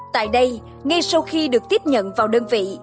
tại đây ngay sau khi được tiếp nhận vào đơn vị